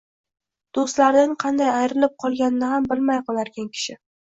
Doʻstlaridan qanday ayrilib qolganini ham bilmay qolarkan kishi